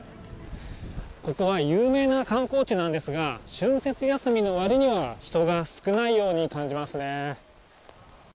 ここは有名な観光地なんですが、春節休みのわりには人が少ないように感じますね。